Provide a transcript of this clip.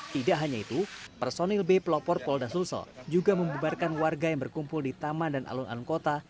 tidak hanya itu personil b pelopor polda sulsel juga membubarkan warga yang berkumpul di taman dan alun alun kota